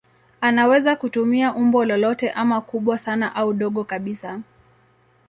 Anaweza kutumia umbo lolote ama kubwa sana au dogo kabisa.